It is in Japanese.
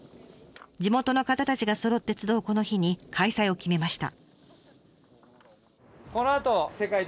地元の方たちがそろって集うこの日に開催を決めました。